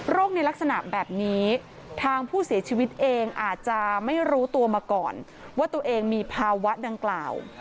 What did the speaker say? ในลักษณะแบบนี้ทางผู้เสียชีวิตเองอาจจะไม่รู้ตัวมาก่อนว่าตัวเองมีภาวะดังกล่าว